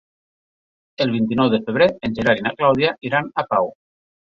El vint-i-nou de febrer en Gerard i na Clàudia iran a Pau.